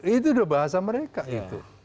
itu udah bahasa mereka itu